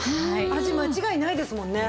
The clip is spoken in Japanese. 味間違いないですもんね。